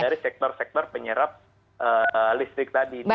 jadi sektor sektor penyerap listrik tadi di indonesia